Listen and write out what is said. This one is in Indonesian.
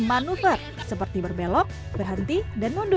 manuver seperti berbelok berhenti dan mundur